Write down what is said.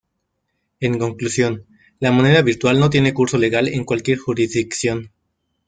En conclusión, la moneda virtual no tiene curso legal en cualquier jurisdicción.